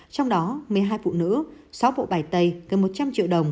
trong đó một mươi hai phụ nữ sáu bộ bài tay gần một trăm linh triệu đồng